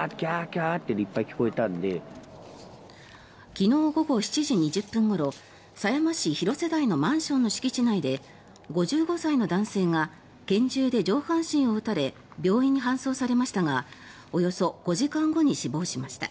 昨日午後７時２０分ごろ狭山市広瀬台のマンションの敷地内で５５歳の男性が拳銃で上半身を撃たれ病院に搬送されましたがおよそ５時間後に死亡しました。